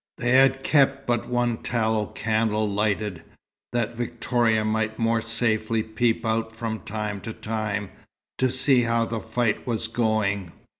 They had kept but one tallow candle lighted, that Victoria might more safely peep out from time to time, to see how the fight was going.